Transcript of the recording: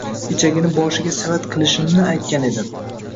ichagini boshiga savat qilishimni aytgan edim.